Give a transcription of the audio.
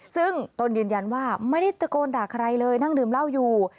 ซึ่งตนยืนยันว่าไม่ได้ตะโกนด่าใครเลยนั่งดื่มเหล้าอยู่